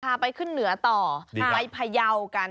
ทาไปขึ้นเหนือต่อทาไปพะเยากัน